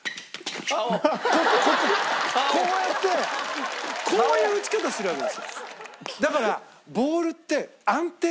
こうこうやってこういう打ち方するわけですよ。